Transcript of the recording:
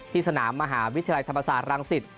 สนามมหาวิทยาลัยธรรมศาสตรังสิต